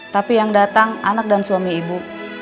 tapi yang datang anak dan suami ibu